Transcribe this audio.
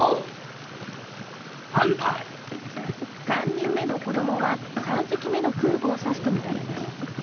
３人目の子供は３隻目の空母を指すとみられます。